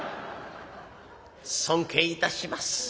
尊敬いたします。